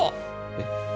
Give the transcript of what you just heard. えっ？